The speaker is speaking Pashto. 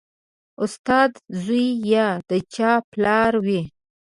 استاد زوی یا د چا پلار وي